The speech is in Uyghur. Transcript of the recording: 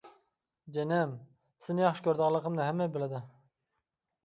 جېنىم، سېنى ياخشى كۆرىدىغانلىقىمنى ھەممە بىلىدۇ.